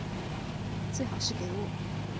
最好是给我